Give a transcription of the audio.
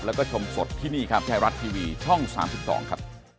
แล้วก็ชมสดที่นี่ครับไทยรัฐทีวีช่อง๓๒ครับ